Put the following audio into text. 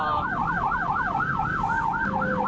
อ๋ออออจะแสงทำไมก่อน